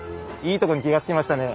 いいとこに気が付きましたね。